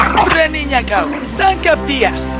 beraninya kau tangkap dia